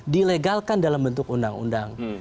dilegalkan dalam bentuk undang undang